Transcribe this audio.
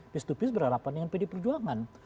piece to piece berharapan dengan pd perjuangan